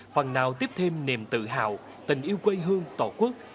phần nào tiếp thêm niềm tự hào tình yêu quê hương tổ quốc